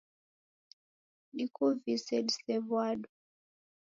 Dikuvise disew'ado.